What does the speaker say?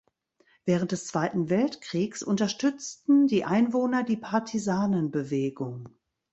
Während des Zweiten Weltkriegs unterstützten die Einwohner die Partisanenbewegung.